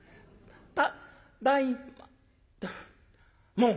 もう！